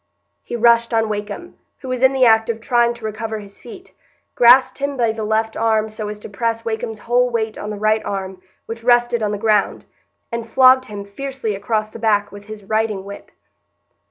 He rushed on Wakem, who was in the act of trying to recover his feet, grasped him by the left arm so as to press Wakem's whole weight on the right arm, which rested on the ground, and flogged him fiercely across the back with his riding whip.